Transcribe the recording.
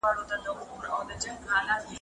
آيا ميرمن د خپل خاوند بدن لمسولای سي؟